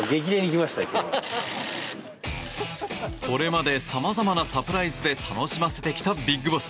これまでさまざまなサプライズで楽しませてきたＢＩＧＢＯＳＳ。